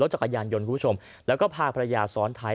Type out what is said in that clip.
รถจักรยานยนต์คุณชมแล้วก็พาปลาย